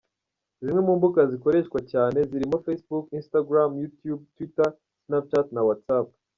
Zimwe mu mbuga zikoreshwa cyane zirimo Facebook, Instagram, Youtube, Twitter, Snapchat na WhatsApp.